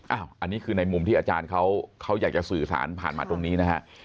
อันนี้คือในมุมที่อาจารย์เขาอยากจะสื่อสารผ่านมาตรงนี้นะฮะ